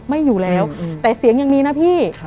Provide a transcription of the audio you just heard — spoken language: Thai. ไม่อยู่แล้วแต่เสียงยังมีนะพี่